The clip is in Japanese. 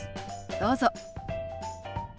どうぞ。